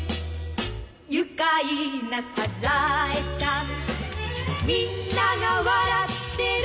「愉快なサザエさん」「みんなが笑ってる」